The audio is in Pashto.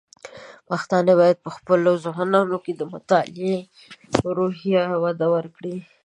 پښتانه بايد په خپلو ځوانانو کې د مطالعې روحيه وده ورکړي.